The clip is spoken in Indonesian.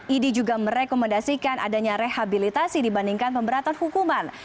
idi juga merekomendasikan adanya rehabilitasi dibandingkan pemberatan hukuman